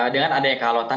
dengan adanya kehalotan